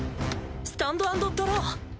スタンドアンドドロー！